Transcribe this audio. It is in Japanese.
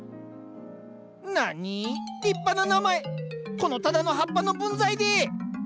このただの葉っぱの分際で！